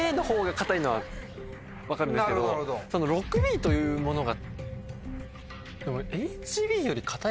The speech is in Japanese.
のは分かるんですけどその６Ｂというものが。